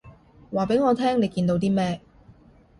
話畀我聽你見到啲咩